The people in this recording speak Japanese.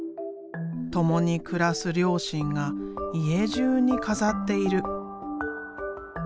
共に暮らす両親が家じゅうに飾っている。